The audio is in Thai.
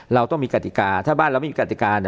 เราต้องมีกติกาถ้าบ้านเราไม่มีกติกา